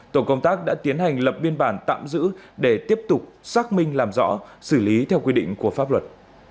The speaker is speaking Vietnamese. tổ công tác đã tiến hành lập biên bản tạm giữ để tiếp tục xác minh làm rõ xử lý theo quy định của pháp luật